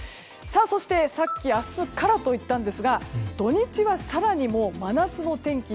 そして、さっき明日からと言ったんですが土日は更に真夏の天気。